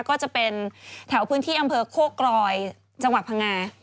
ก็จะเป็นแถวพื้นที่อำเภอโคกรอยจังหวัดพังงา